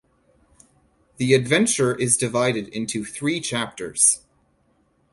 The adventure is divided into three chapters.